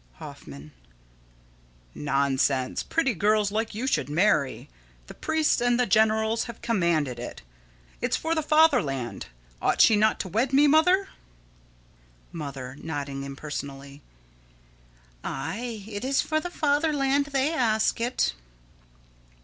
Hoffman: Nonsense! Pretty girls like you should marry. The priests and the generals have commanded it. It's for the fatherland. Ought she not to wed me, Mother? Mother: [Nodding impersonally.] Aye, it is for the fatherland they ask it.